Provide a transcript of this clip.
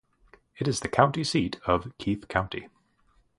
It is the county seat of Keith County.